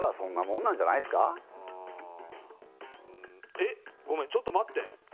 えっごめんちょっと待って。